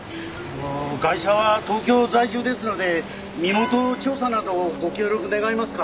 ガイシャは東京在住ですので身元調査などをご協力願えますか？